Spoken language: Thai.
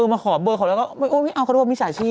มาขอเบอร์ขอแล้วก็เอาเขาดูว่ามีสาชิก